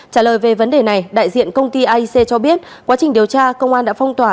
trả lời về vấn đề này đại diện công ty aic cho biết quá trình điều tra công an đã phong tỏa